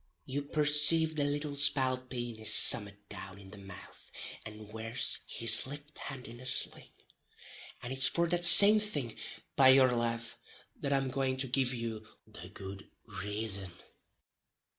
You percave the little spalpeen is summat down in the mouth, and wears his lift hand in a sling, and it's for that same thing, by yur lave, that I'm going to give you the good rason.